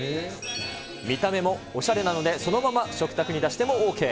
見た目もおしゃれなので、そのまま食卓に出してもＯＫ。